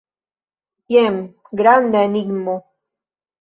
Jen granda enigmo!